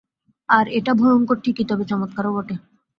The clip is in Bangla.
আর এটা ভয়ঙ্কর ঠিকই, তবে চমৎকারও বটে।